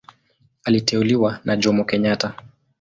Aliteuliwa na Jomo Kenyatta.